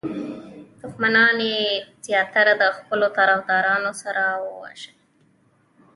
دښمنان یې زیاتره د خپلو طرفدارانو سره وژل.